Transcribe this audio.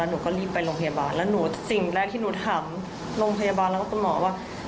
หนูก็รีบไปโรงพยาบาลแล้วหนูสิ่งแรกที่หนูถามโรงพยาบาลแล้วก็คุณหมอว่า